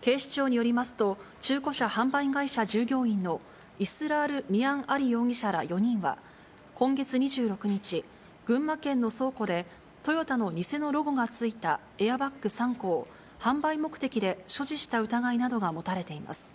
警視庁によりますと、中古車販売会社従業員のイスラール・ミアン・アリ容疑者ら４人は、今月２６日、群馬県の倉庫でトヨタの偽のロゴがついたエアバッグ３個を販売目的で所持した疑いなどが持たれています。